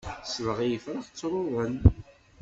Selleɣ i ifrax ttruḍen.